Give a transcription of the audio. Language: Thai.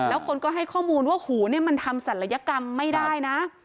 แล้วคนก็ให้ข้อมูลว่าหูเนี่ยมันทำศัลยกรรมไม่ได้นะ